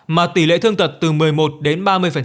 mà tỷ lệ thương tật từ một mươi một đến ba mươi